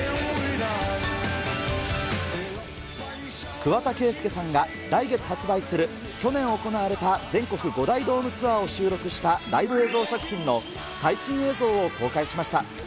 桑田佳祐さんが来月発売する、去年行われた全国５大ドームツアーを収録したライブ映像作品の最新映像を公開しました。